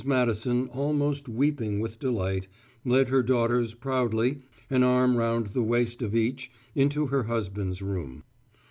Madison, almost weeping with delight, led her daughters proudly, an arm round the waist of each, into her husband's room.